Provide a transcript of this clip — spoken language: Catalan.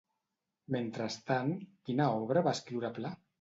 Mentrestant, quina obra va escriure Pla?